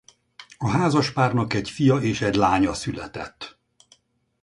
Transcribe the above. A házaspárnak egy fia és egy lánya született.